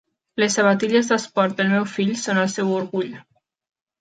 Les sabatilles d'esport del meu fill són el seu orgull.